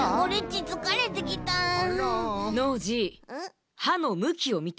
ノージーはのむきをみて。